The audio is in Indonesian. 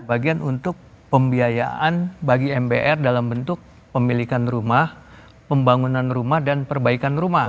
bagian untuk pembiayaan bagi mbr dalam bentuk pemilikan rumah pembangunan rumah dan perbaikan rumah